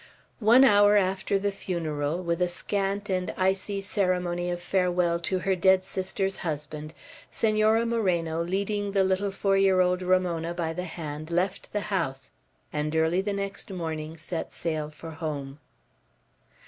One hour after the funeral, with a scant and icy ceremony of farewell to her dead sister's husband, Senora Moreno, leading the little four year old Ramona by the hand, left the house, and early the next morning set sail for home.